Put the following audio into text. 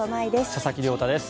佐々木亮太です。